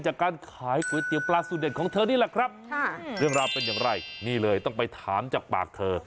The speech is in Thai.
จากการขายก๋วยเตี๋ยปลาสูตเด็ดของเธอนี่แหละครับเรื่องราวเป็นอย่างไรนี่เลยต้องไปถามจากปากเธอ